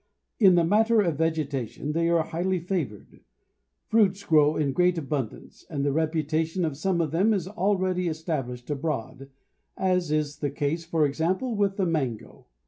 In the matter of vegetation they are highly favored. Fruits grow in great abundance, and the reputation of some of them is already established abroad, as is the case, for example, with the mango.